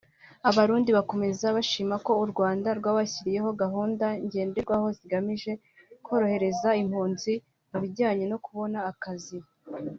Aba Barundi bakomeza bashima ko u Rwanda rwabashyiriyeho gahunda ngenderwaho zigamije korohereza impunzi mu bijyanye no kubona akazi